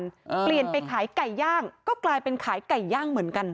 อ่าเปลี่ยนไปขายไก่ย่างก็กลายเป็นขายไก่ย่างเหมือนกัน